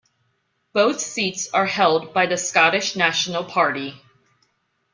Both seats are held by the Scottish National Party.